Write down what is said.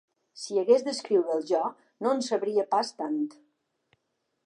Si hagués d’escriure’l jo, no en sabria pas tant.